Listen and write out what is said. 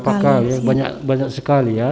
beberapa kali banyak sekali ya